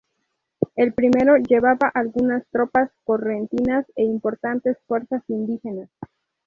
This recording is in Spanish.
El primero llevaba algunas tropas correntinas e importantes fuerzas indígenas.